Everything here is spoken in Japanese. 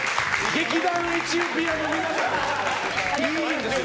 劇団エチオピアの皆さんいいんですよ！